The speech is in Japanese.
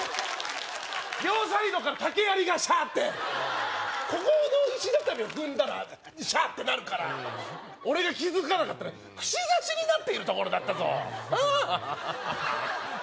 両サイドから竹やりがシャーッてここの石畳を踏んだらシャーッてなるから俺が気づかなかったら串刺しになっているところだったぞああ